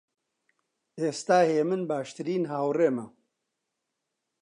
ئێستا هێمن باشترین هاوڕێمە.